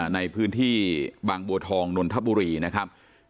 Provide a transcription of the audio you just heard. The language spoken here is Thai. ในพื้นที่บางบัวทองนนทบุรีนะครับ